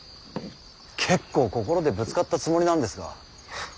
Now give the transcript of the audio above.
結構心でぶつかったつもりなんですが。